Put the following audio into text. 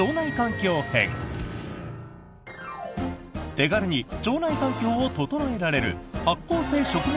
手軽に腸内環境を整えられる発酵性食物